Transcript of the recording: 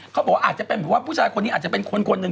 เขาบอกว่าอาจจะเป็นแบบว่าผู้ชายคนนี้อาจจะเป็นคนคนหนึ่ง